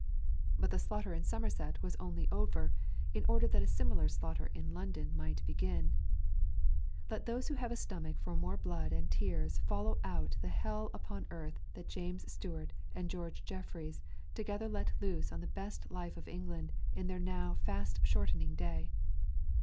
But the slaughter in Somerset was only over in order that a similar slaughter in London might begin. Let those who have a stomach for more blood and tears follow out the hell upon earth that James Stuart and George Jeffreys together let loose on the best life of England in their now fast shortening day.